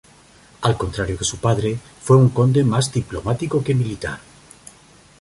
Al contrario que su padre, fue un conde más diplomático que militar.